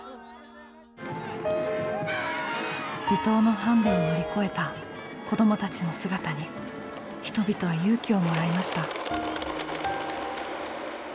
離島のハンデを乗り越えた子どもたちの姿に人々は勇気をもらいました。